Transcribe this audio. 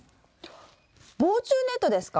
防虫ネットですか？